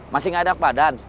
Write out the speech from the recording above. masih gak enak badan